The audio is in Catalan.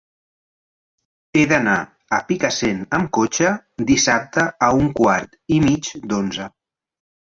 He d'anar a Picassent amb cotxe dissabte a un quart i mig d'onze.